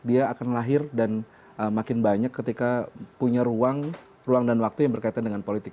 dia akan lahir dan makin banyak ketika punya ruang dan waktu yang berkaitan dengan politik